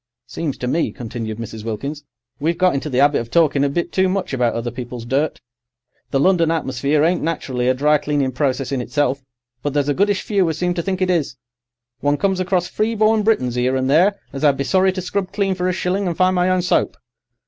"Seems to me," continued Mrs. Wilkins, "we've got into the 'abit of talkin' a bit too much about other people's dirt. The London atmosphere ain't nat'rally a dry cleanin' process in itself, but there's a goodish few as seem to think it is. One comes across Freeborn Britons 'ere and there as I'd be sorry to scrub clean for a shillin' and find my own soap."